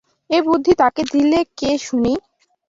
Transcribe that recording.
এ বুদ্ধি তাঁকে দিলে কে শুনি।